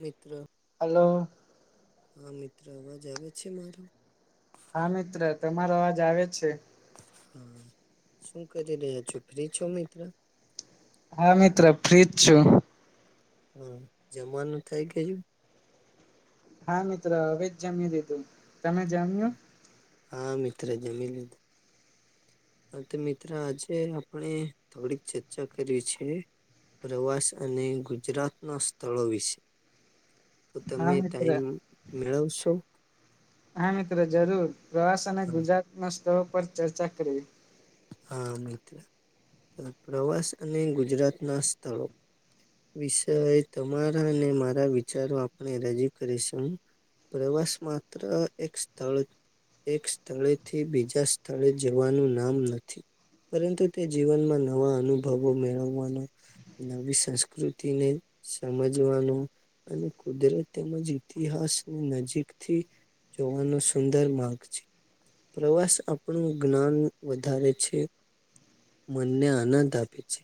મિત્ર. હલો. હા મિત્ર અવાજ આવે છે મારો? હા મિત્ર તમારો અવાજ આવે છે. હા, શું કરી રહ્યા છો ફ્રી છો મિત્ર? હા મિત્ર ફ્રી જ છું. હા, જમવાનું થય ગયું? હા મિત્રો હવે જ જમી લીધું, તમે જમ્યું? હા મિત્ર જમી લીધું. હા તો મિત્ર આજે આપણે થોડીક ચર્ચા કરીએ છે. પ્રવાસ અને ગુજરાતના સ્થળો વિશે. તો હા તમે મિત્ર ટાઈમ મેળવશો? હા મિત્ર જરૂર પ્રવાસ અને ગુજરાત ના સ્થળો પર ચર્ચા કરીએ. હા મિત્ર, પ્રવાસ અને ગુજરાતના સ્થળો. વિષય તમારા અને મારા વિચારો આપણે રજૂ કરીશું. પ્રવાસ માત્ર એક સ્થળ એક સ્થળે થી બીજા સ્થળે જવાનું નામ નથી. પરંતુ તે જીવનમાં નવા અનુભવો મેળવવાનો. નવી સંસ્કૃતિને સમજવાનું. અને કુદરત તેમજ ઈતિહાસની નજીકથી. જોવાનો સુંદર માર્ગ છે, પ્રવાસ આપણું જ્ઞાન વધારે છે. મનને આનંદ આપે છે,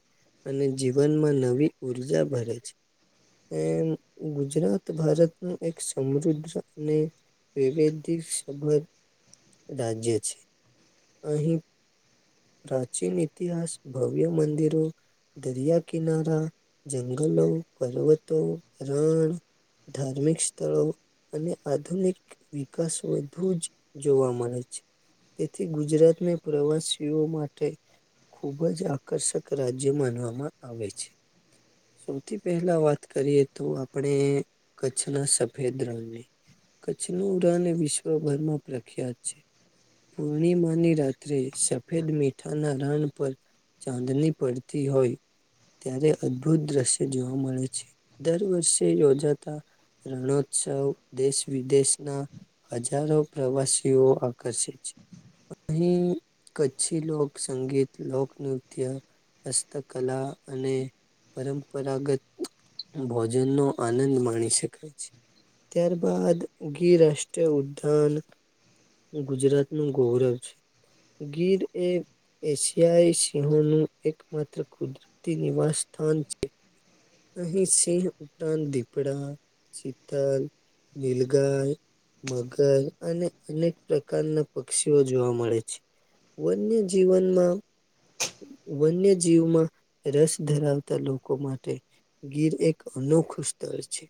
અને જીવનમાં નવી ઉર્જા ભરે છે. એ ગુજરાત ભારત નું એક સમૃદ્ધ અને [unintelligible] રાજ્ય છે, અહી પ્રાચીન ઇતિહાસ ભવ્ય મંદિરો. દરિયા કિનારા, જંગલો, પર્વતો, રણ. ધાર્મિક સ્થળો અને આધુનિક વિકાસ વધુ જ જોવા મળે છે, તેથી ગુજરાતના પ્રવાસી તેઓ માટે, ખુબ જ આકર્ષક રાજ્ય માનવામાં આવે છે. સૌથી પહેલા વાત કરીએ તો આપણે કચ્છના સફેદ રંગની. કચ્છનું રણ એ વિશ્વભરમાં પ્રખ્યાત છે. પૂર્ણિમાની રાત્રે સ ફેદ મીઠાના રણ પર, ચાંદની પડતી હોય. ત્યારે અદભુત દ્રશ્ય જોવા મળે છે, દર વર્ષે યોજાતા રણોત્સવ દેશ વિદેશના હજારો પ્રવાસીઓ આકર્ષિત છે, અહી કચ્છી લોકસંગીત, લોકનૃત્ય, હસ્તકલા અને પરંપરાગત ભોજન નો આનંદ માણી શકાય છે. ત્યાર બાાદ ગિરરાષ્ટ્રીય ઉદ્યાન. ગુજરાત નું ગૌરવ છે. ગીર એ એશિયાઈ સિંહોનું એકમાત્ર કુદરતી નિવાસ સ્થાન છે. અહીં સિંહ ઉપરાંત દીપડા, શીતલ, નીલગાય. મગર અને અનેક પ્રકારના પક્ષીઓ જોવા મળે છે. વન્યજીવનમાં વન્ય જીવમાં રસ ધરાવતા લોકો માટે ગીર એક અનોખું સ્થર છે.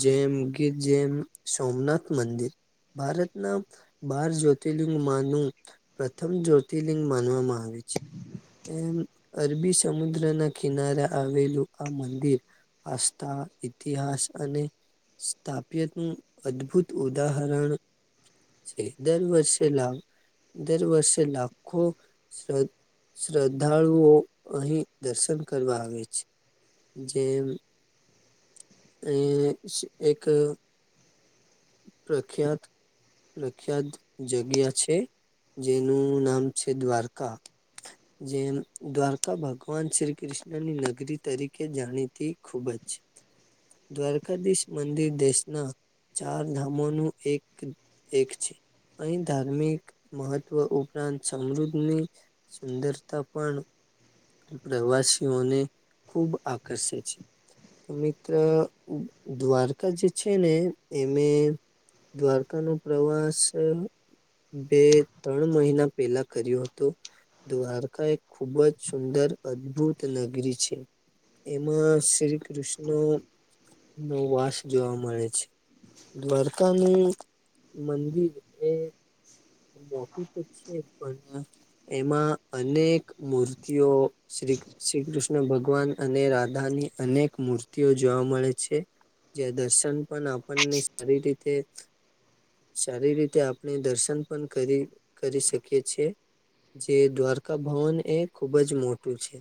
જેમ ગીર જેમ સોમનાથ મંદિર. ભારતના બાર જ્યોતિર્લિંગમાંનું પ્રથમ જ્યોતિર્લિંગ માનવામાં આવે છે. એમ અરબી સમુદ્ર ના કિનારા આવેલું આ મંદિર, આસ્થા ઇતિહાસ અને સ્થપ્યત અદ્ભુત ઉદાહરણ. દર વર્ષે લા દર વર્ષે લાખો શ શ્રદ્ધાળુઓ અહીં દર્શન કરવા આવે છે. જે અ એક પ્રખ્યાત પ્રખ્યાત જગ્યા છે, જેનું નામ છે દ્વારકા. જેમ દ્વારકા ભગવાન શ્રી કૃષ્ણ ની ન રી તરીકે જાણીતી ખૂબ જ, દ્વારકાધીશ મંદિર દેશના ચાર ધામોનું એક એક છે. અહીં ધાર્મિક મહત્વ ઉપરાંત સમૃદ્ધની. સુંદરતા પણ પ્રવાસીઓને ખૂબ આકર્ષે છે તો મિત્ર દ્વારકા જે છે ને એમે દ્વારકા ન પ્રવાસ બે ત્રણ મહિના પહેલા કર્યું હતું. દ્વારકા એક ખુબ જ સુંદર અદભુત નગરી છે. એમાં શ્રી કૃષ્ણ નો વાસ જોવા મળે છે. દ્વારકાની મનવી એ [inaudible] મોટું તો છે પણ એમાં અનેક મૂર્તિઓ શ્રી શ્રી કૃષ્ણ ભગવાન અને રાધાની અનેક મૂર્તિઓ જોવા મળે છે. જે દર્શન પણ આપણને સારી રીતે સારી રીતે આપણે દર્શન પણ કરી શકીએ છીએ. જે દ્વારકા ભવન એ ખુબ જ મોટું છે.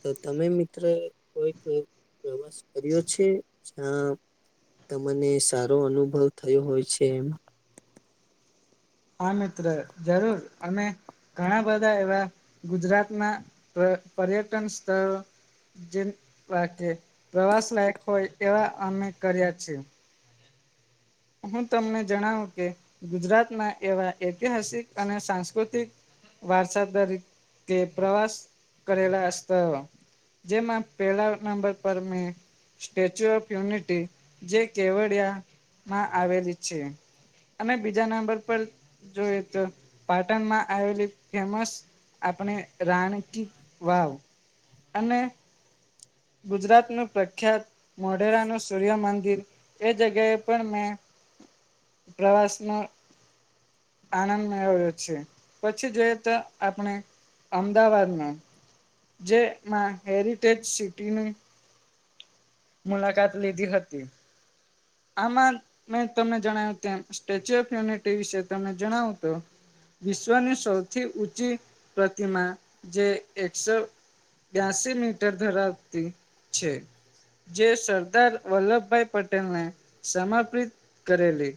તો તમે મિત્ર કોઈક પ્રવાસ કર્યો છે? હ્યા, તમને સારો અનુભવ થયો હોય છે. હા મિત્ર જરૂર અને ઘણા બધા એવા ગુજરાતના પર્યટન સ્થળો જે પ્રવાસ લાયક હોય એવા અમે કર્યા છીએ. હું તમને જણાવું કે, ગુજરાતના એવા ઐતિહાસિક અને સાંસ્કૃતિક વરસાદરીતે પ્રવાસ કરેલાત સ્થળો. જેમાં પેલા નંબર પર મેં સ્ટેચ્યુ ઓફ યુનિટી જે કેવડિયા માં આવેલી છે અને બીજા નંબર પર જોઈએ તો પાટણમાં આવેલી ફેમસ આપણે રાણી કી વાવ અને ગુજરાતનું પ્રખ્યાત મોઢેરાનું સૂર્યમંદિર એ જગ્યાએ પણ મેં પ્રવાસ નો આનંદ મેળવ્યો છે પછી જોઈએ તો આપણે અમદાવાદ માં જેમાં હેરિટેજ સિટીનું મુલાકાત લીધી હતી આમાં મે તમે જણાવ્યું તેમ સ્ટેચ્યુ ઓફ યુનિટી વિશે તમે જણાવો તો વિશ્વની સૌથી ઊંચી પ્રતિમા જે એકસો બ્યાસી મીટર ધરાવતી છે જે સરદાર વલ્લભભાઈ પટેલને સમર્પિત કરેલી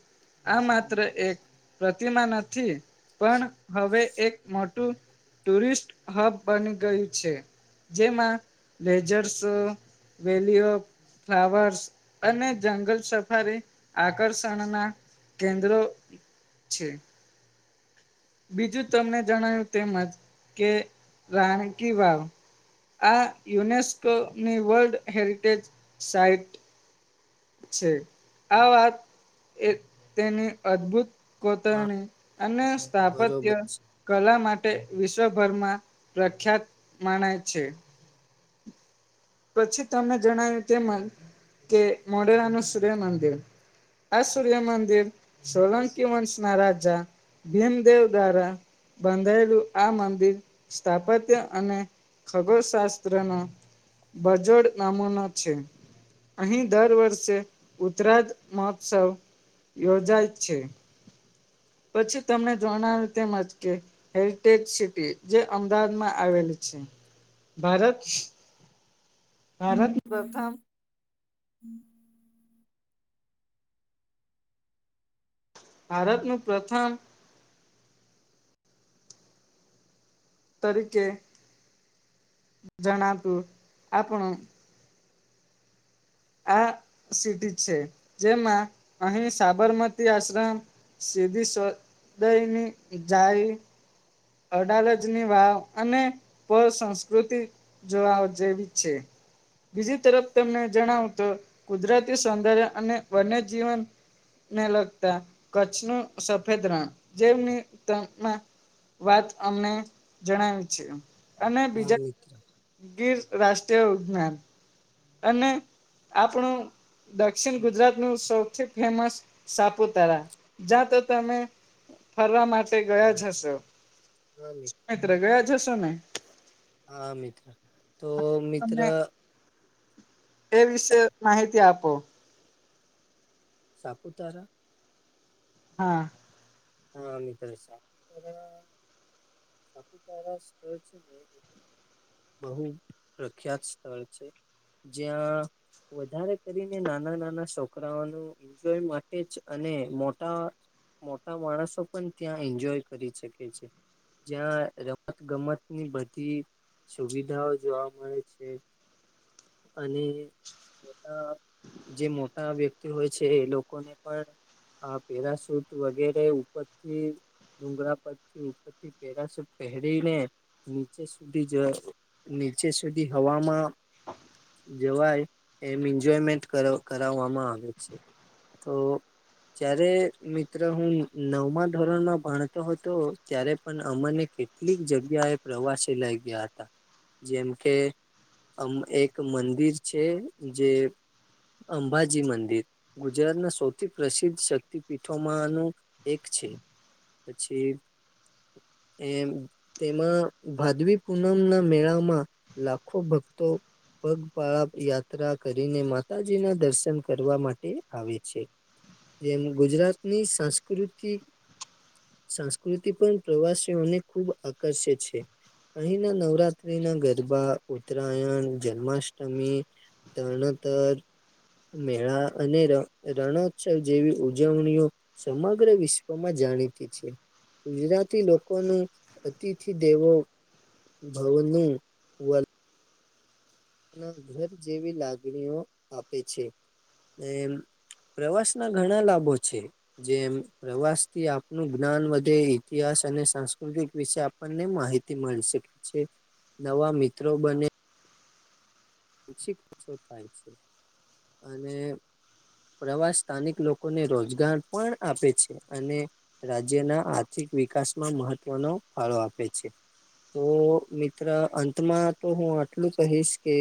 આ માત્ર એક પ્રતિમા નથી પણ હવે એક મોટું ટુરિસ્ટ હબ બની ગયું છે જેમાં લેજર્સ વેલીઓ ફ્લાવર્સ અને જંગલ સફારી આકર્ષણના કેન્દ્ર છે બીજું તમને જણાય્યું તેમજ કે રાણ કી વાવ આ યુનેસ્કોની વર્લ્ડ હેરિટેજ સાઇટ છે આ વાત તેની અદભુત હા, કોતરણી અને બરોબર સ્થાપત્ય કલા માટે વિશ્વભરમાં પ્રખ્યાત માને છે પછી તમને જણાવ્યું તેમ જ કે મોઢેરાનું સૂર્યમંદિર આ સૂર્યમંદિર સોલંકી વંશના રાજા ભીમ દેવ દ્વારા બાંધાયેલું આ મંદિર સ્થાપત્ય અને ખગોળશાસ્ત્ર નો બજોડ નામૂનો છે અહીં દર વર્ષે ઉતરાજ મહોત્સવ યોજાય છે પછી તમને જોણાવ્યું તેમજ કે હેરિટેજ સિટી જે અમદાવાદમાં આવેલી છે ભારત ભારત પ્રથમ [inaudible] ભારતનું પ્રથમ તરીકે જણાતું આપણું આ સિટી છે જેમાં અહીં સાબરમતી આશ્રમ સીધી સદયની જાય અડાલજની વાવ અને પ સંંસ્કૃતિ જોવાઓ જેવી છે બીજી તરફ તમને જણાવ તો કુદરતી સૌંદર્ય અને વન્ય જીવન ને લગતા કચ્છ નું સફેદ રણ જેમની તરૂણતા વાત અમને જણાવી છે અને હા બીજા મિત્ર ગીર રાષ્ટ્રીય ઉદ્યાાન અને આપણું દક્ષિણ ગુજરાત નું સૌથી ફેમસ સાપુતારા જ્યાં તો તમે ફરવા માટે ગયા જ હશો મિત્ર ગયા જ હશો ને હા મિત્ર તો મિત્ર તમે એ વિશે માહિતી આપો. સાપુતારા. હા. હા મિત્ર, સાપુતારા સાપુતારા સ્તળ છે ને. બહુ પ્રખ્યાત સ્થળ છે જ્યાં વધારે કરીને નાના નાના છોકરાઓનું એન્જોય માટે જ અને મોટા મોટા માણસો પણ ત્યાં એન્જોય કરી શકે છે. જ્યાં રમત ગમત ની બધી સુવિધાઓ જોવા મળે છે, અને મોટા જે મોટા વ્યક્તિ હોય છે એ લોકોને પણ, આ પેરાસૂટ વગેરે ઉપરથી ડુંગળા પરથી ઉપરથી પેરા પહેરીને. નીચે સુધી જ નીચે સુધી હવામાં જવાય, એમ એન્જોયમેન્ટ કરાવ તો જ્યારે મિત્ર હું નવમા ધોરણમાં ભણતો હતો ત્યારે પણ અમાને કેટલીક જગ્યાએ પ્રવાસે લઇ ગયા હતા. જેમ કે આમ એક મંદિર છે જે અંબાજી મંદિર, ગુજરાતના સૌથી પ્રસિદ્ધ શક્તિપીઠોમાંનું એક છે, પછી એ તેમાં ભાદવી પૂનમ ના મેળામાં, લાખો ભક્તો પગપળપ યાત્રા કરીને માતાજી ના દર્શન કરવા માટે આવે છે. જેમ ગુજરાતની સાંસ્કૃતિક સંસ્કૃતિ પણ પ્રવાસીઓને ખૂબ આકર્ષે છે. અહીંના નવરાત્રી ના ગરબા, ઉત્તરાયણ, જન્માષ્ટમી. ત નંતર મેળા અને રણોત્સવ જેવી ઉજવણીઓ સમગ્ર વિશ્વમાં જાણીતી છે. ગુજરાતી લોકોનું અતિથિ દેવો ભવનું ઘર જેવી લાગણીઓ આપે છે, એ પ્રવાસ ના ઘણા લાભો છે. જેમ પ્રવાસ થી આપનું જ્ઞાન વધે ઇતિહાસ અને સાંસ્કૃતિક વિશે માહિતી મળી શકે છે, નવા મિત્રો બને. થાય છે, અને પ્રવાસ સ્થાનિક લોકોને રોજગાર પણ આપે છે, અને રાજ્યના આર્થિક વિકાસમાં મહત્વનો ફાળો આપે છે. તો મિત્ર અંતમાં તો હું આટલું કહીશ કે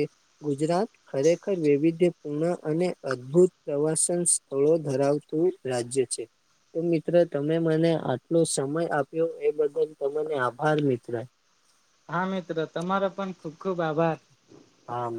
ગુજરાત ખરેખર વિવિધ્ય પૂર્ન અને અદભુત પ્રવાસન સ્થળો ધરાવતું રાજ્ય છે. તો મિત્ર તમે મને આટલો સમય આપ્યો એ બદલ તને આભાર મિત્ર. હા મિત્ર તમારો પણ ખુબ ખુબ આભાર. હા મ.